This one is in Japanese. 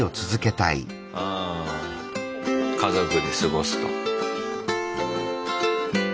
ああ家族で過ごすと。